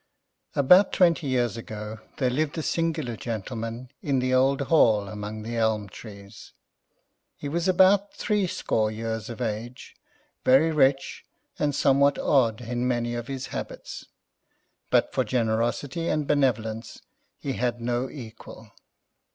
About twenty years ago there lived a singular gentleman in the old Hall among the Elm Trees. He was about three score years of age, very rich, and somewhat odd in many of his habits, but for generosity and benevolence he had no equal.